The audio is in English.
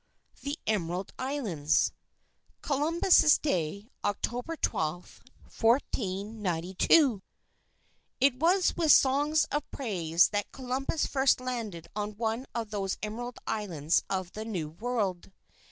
THE EMERALD ISLANDS Columbus's Day, October 12, 1492 It was with songs of praise, that Columbus first landed on one of those emerald islands of the New World.